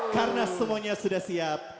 karena semuanya sudah siap